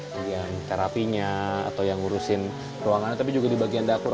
bagian terapinya atau yang ngurusin ruangannya tapi juga di bagian dapur